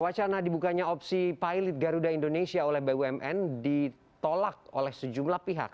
wacana dibukanya opsi pilot garuda indonesia oleh bumn ditolak oleh sejumlah pihak